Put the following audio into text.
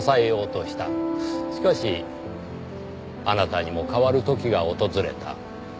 しかしあなたにも変わる時が訪れた。